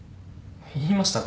言いましたが？